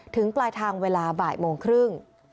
ปลายทางเวลาบ่ายโมงครึ่ง